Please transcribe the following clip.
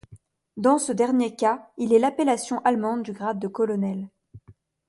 Dans ce dernier cas, il est l'appellation allemande du grade de colonel.